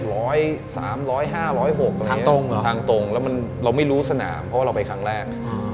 ร้อย๓ร้อย๕ร้อย๖อะไรแบบนี้ทางตรงแล้วมันเราไม่รู้สนามเพราะว่าเราไปครั้งแรก